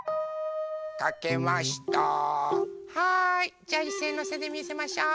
じゃあいっせいのせでみせましょう。